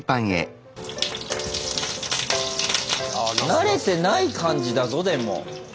慣れてない感じだぞでも。